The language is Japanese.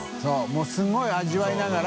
もうすごい味わいながら。